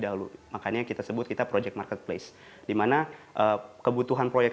dahulu makanya kita sebut kita project marketplace dimana kebutuhan proyek